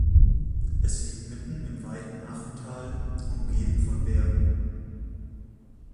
Es liegt mitten im weiten Achental, umgeben von Bergen.